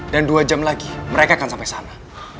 dan dua jam lagi mereka akan sampai sana